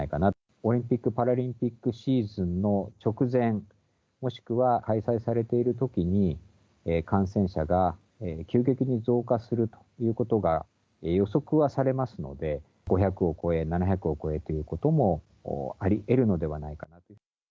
オリンピック・パラリンピックシーズンの直前、もしくは開催されているときに、感染者が急激に増加するということが予測はされますので、５００を超え、７００を超えということもありえるのではないか。